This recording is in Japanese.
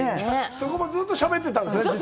そこもしゃべってたんですね